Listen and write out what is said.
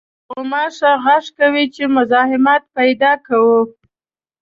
غوماشه غږ کوي چې مزاحمت پېدا کوي.